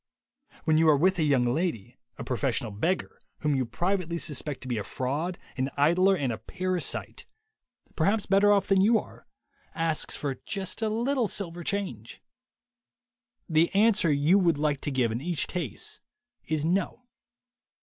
When you are with a young lady, a professional beggar, whom you privately suspect to be a fraud, an idler and a parasite, perhaps THE WAY TO WILL POWER 135 better off than you are, asks you for just a little silver change. The answer you would like to give in each case is No.